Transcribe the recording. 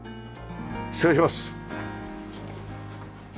失礼します。